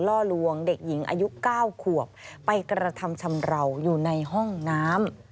ล่อลวงเด็กหญิงอายุ๙ขวบไปกระทำชำราวอยู่ในห้องน้ำ